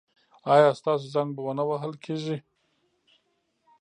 ایا ستاسو زنګ به و نه وهل کیږي؟